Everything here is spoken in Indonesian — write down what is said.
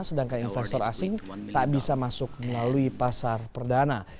sedangkan investor asing tak bisa masuk melalui pasar perdana